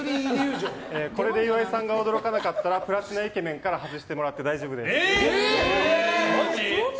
これで岩井さんが驚かなかったらプラチナイケメンから外してもらって大丈夫です。